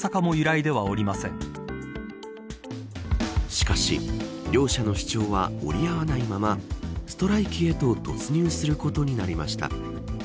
しかし、両者の主張は折り合わないままストライキへと突入することになりました。